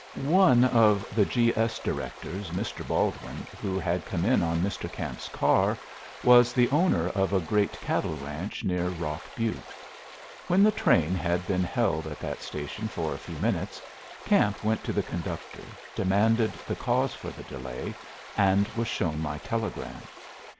One of the G. S. directors, Mr. Baldwin, who had come in on Mr. Camp's car, was the owner of a great cattle ranch near Rock Butte. When the train had been held at that station for a few minutes, Camp went to the conductor, demanded the cause for the delay, and was shown my telegram.